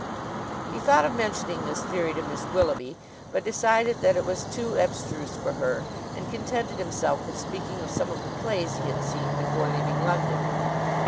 He thought of mentioning this theory to Miss Willoughby, but decided that it was too abstruse for her, and contented himself with speaking of some of the plays he had seen before leaving London.